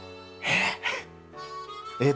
えっ？